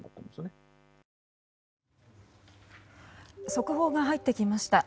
速報が入ってきました。